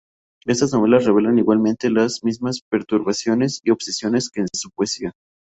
Estas novelas revelan igualmente las mismas perturbaciones y obsesiones que su poesía.